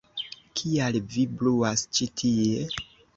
Kial vi bruas ĉi tie?!